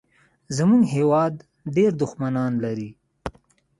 زمونږ هېواد ډېر دوښمنان لري